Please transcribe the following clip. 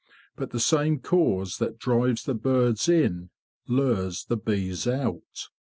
But the same cause that drives the birds in lures the bees out.